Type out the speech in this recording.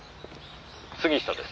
「杉下です」